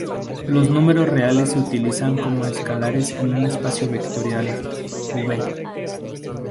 Los números reales se utilizan como escalares en un espacio vectorial "V".